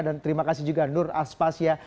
terima kasih juga nur aspasya